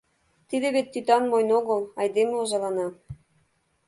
Тиде вет тӱтан мойн огыл — айдеме озалана.